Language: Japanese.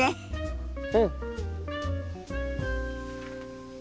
うん！